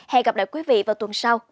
hẹn gặp lại quý vị vào tuần sau